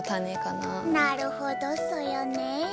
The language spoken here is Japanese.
なるほどソヨね。